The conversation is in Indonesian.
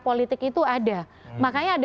politik itu ada makanya ada